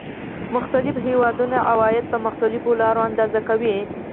مختلف هېوادونه عواید په مختلفو لارو اندازه کوي